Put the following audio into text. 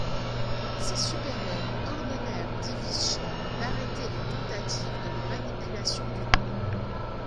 Ses supérieurs ordonnèrent Divisch d’arrêter les tentatives de manipulation du temps.